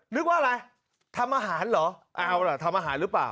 นึกว่าอะไรทำอาหารเหรอเอาล่ะทำอาหารหรือเปล่า